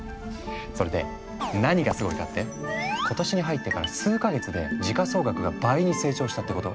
それで何がすごいかって今年に入ってから数か月で時価総額が倍に成長したってこと。